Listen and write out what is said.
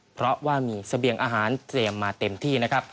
เพราะว่ามีเสบียงอาหารเตรียมมาเต็มที่นะครับ